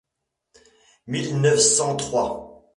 mille neuf cent trois.